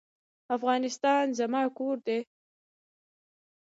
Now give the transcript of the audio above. افغانستان زما کور دی؟